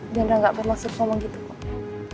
dianera gak bermaksud ngomong gitu kok